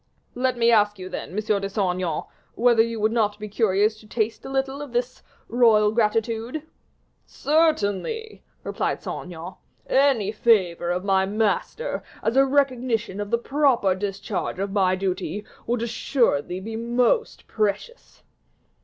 "Let me ask you, then, M. de Saint Aignan, whether you would not be curious to taste a little of this royal gratitude?" "Certainly," replied Saint Aignan, "any favor of my master, as a recognition of the proper discharge of my duty, would assuredly be most precious."